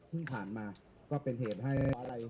เพิ่งผ่านมาก็เป็นเหตุให้